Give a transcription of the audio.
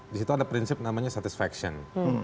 disitu ada prinsip namanya satisfaction